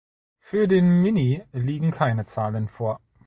Für den Mini liegen keine Zahlen vor.